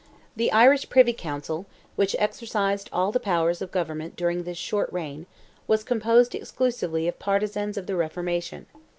The Irish Privy Council, which exercised all the powers of government during this short reign, was composed exclusively of partizans of the Reformation.